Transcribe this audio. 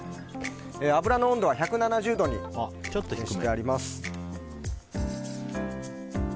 油の温度は１７０度に熱してあります。